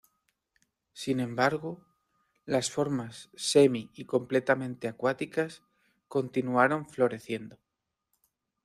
Sin embargo, las formas semi y completamente acuáticas continuaron floreciendo.